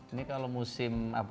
ini kalau musim